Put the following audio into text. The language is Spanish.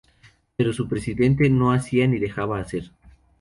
Pero su Presidente no hacía ni dejaba hacer.